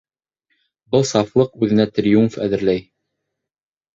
Был сафлыҡ үҙенә триумф әҙерләй.